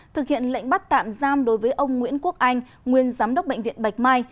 thực hiện lệnh bắt tạm giam đối với ông nguyễn quốc anh nguyên giám đốc bệnh viện bạch mai